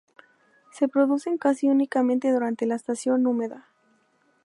Se reproducen casi únicamente durante la estación húmeda.